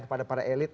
kepada para elit